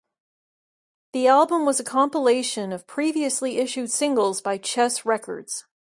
The album was a compilation of previously issued singles by Chess Records.